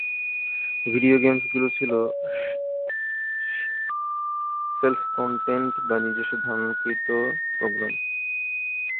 Video games গুলো ছিল self contained বা নিজস্ব-ধারনকৃত প্রোগ্রাম।